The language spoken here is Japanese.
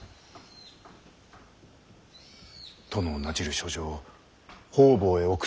殿をなじる書状を方々へ送っておるようで。